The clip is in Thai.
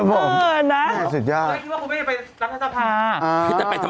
โอ้โหแน่สุดยอดผมก็คิดว่าคุณไม่ได้ไปรัฐสภา